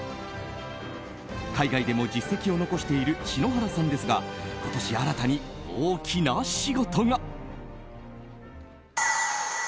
海外でも実績を残している篠原さんですが今年、新たに大きな仕事が。